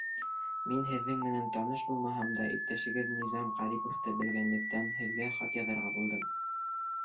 Мин һеҙҙең менән таныш булмаһам да, иптәшегеҙ Низам Ҡәриповты белгәнлектән, Һеҙгә хат яҙырға булдым.